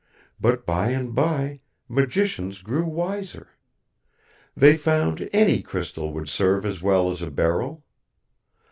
But by and by magicians grew wiser. They found any crystal would serve as well as a beryl.